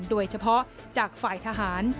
โดยเฉพาะจากฝ่ายทหาร